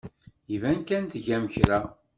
Iban kan tgam kra.